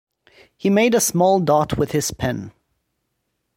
He made a small dot with his pen.